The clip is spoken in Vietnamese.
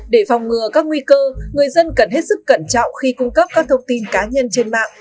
để phòng ngừa các nguy cơ người dân cần hết sức cẩn trọng khi cung cấp các thông tin cá nhân trên mạng